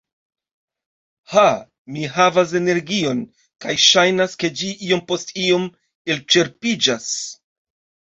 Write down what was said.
Ha, mi havas energion, kaj ŝajnas, ke ĝi iom post iom elĉerpiĝas